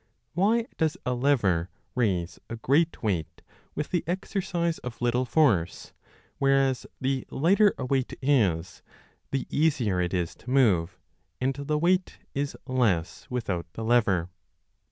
Why does a lever raise a great weight with the exercise of little force, whereas the lighter a weight is the easier it is to move, and the weight is less without the lever